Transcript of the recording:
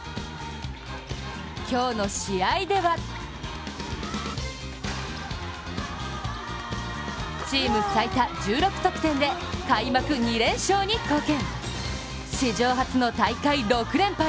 今日の試合ではチーム最多１６得点で開幕２連勝に貢献。